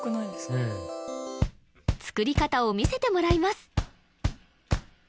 うん作り方を見せてもらいます